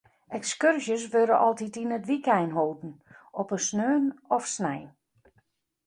Ekskurzjes wurde altyd yn it wykein holden, op in sneon of snein.